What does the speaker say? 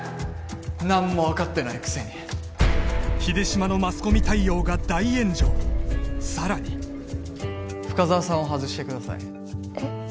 何も分かってないくせに秀島のマスコミ対応が大炎上さらに深沢さんを外してくださいえっ？